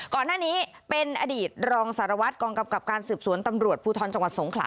ก่อนหน้านี้เป็นอดีตรองสารวัตรกองกำกับการสืบสวนตำรวจภูทรจังหวัดสงขลา